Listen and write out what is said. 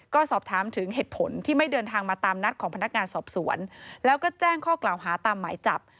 ก็สอบถามถึงเหตุผลที่ไม่เดินทางมาตามนัดของพนักงานสอบสวนแล้วก็แจ้งข้อกล่าวหาตามหมายจับ